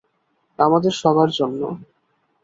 আমাদের সবার জন্য।